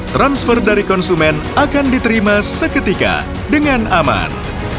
transfer dari konsumen akan diterima seketika dengan aman